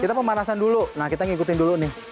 kita pemanasan dulu nah kita ngikutin dulu nih